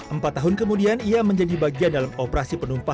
empat tahun kemudian ia menjadi bagian dalam operasi penumpang